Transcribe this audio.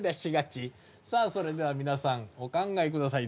さあそれでは皆さんお考え下さい。